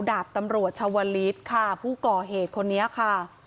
ดาบตำรวจชาวลิศค่ะผู้ก่อเหตุคนนี้ค่ะ